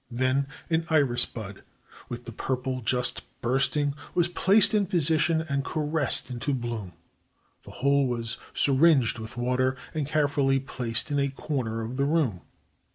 Then an iris bud, with the purple just bursting, was placed in position and caressed into bloom. The whole was syringed with water and carefully placed in a corner of the room.